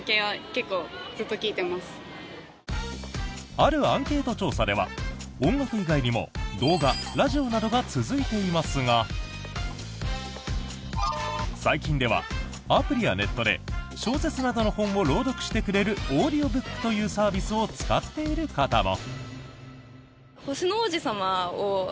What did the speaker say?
あるアンケート調査では音楽以外にも動画、ラジオなどが続いていますが最近では、アプリやネットで小説などの本を朗読してくれるオーディオブックというサービスを使っている方も。